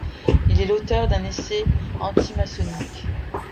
Il est l'auteur d'un essai antimaçonnique.